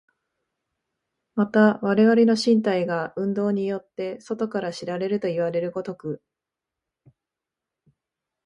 また我々の身体が運動によって外から知られるといわれる如く、